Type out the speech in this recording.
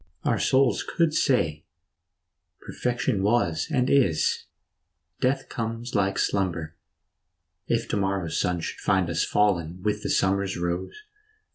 Our souls could say, " Perfection was and is; Death comes like slumber," if to morrow's sun Should find us fallen with the summer's rose.